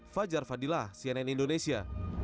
fajar fadillah cnn indonesia